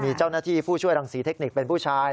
มีเจ้าหน้าที่ผู้ช่วยรังศรีเทคนิคเป็นผู้ชาย